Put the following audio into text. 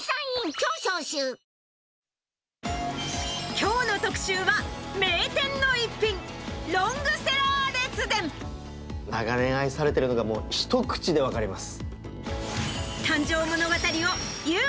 きょうの特集は、長年愛されてるのが、もう、一口で分かります。